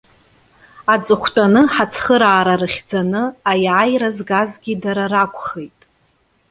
Аҵыхәтәаны ҳацхыраара рыхьӡаны аиааира згазгьы дара ракәхеит.